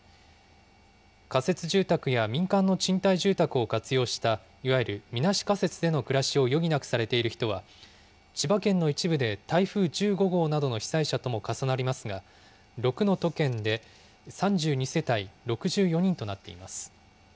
仮設住宅や民間の賃貸住宅を活用した、いわゆるみなし仮設での暮らしを余儀なくされている人は、千葉県の一部で台風１５号などの被災者とも重なりますが、６の都県で３２世帯６４人となっています。